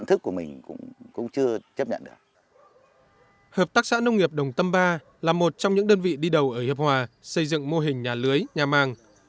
hợp tác xã nông nghiệp đồng tâm ba là một trong những đơn vị đi đầu ở hiệp hòa xây dựng mô hình nhà lưới nhà màng